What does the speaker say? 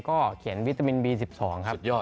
ก็เขียนวิตามินบี๑๒ครับ